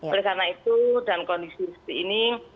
oleh karena itu dalam kondisi seperti ini